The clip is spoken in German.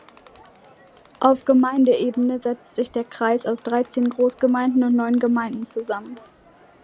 Auf Gemeindeebene setzt sich der Kreis aus dreizehn Großgemeinden und neun Gemeinden zusammen.